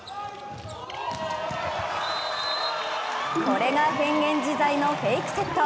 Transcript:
これが変幻自在のフェイクセット。